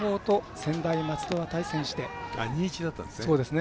２対１だったんですよね。